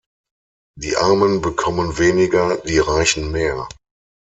Die Armen bekommen weniger, die Reichen mehr.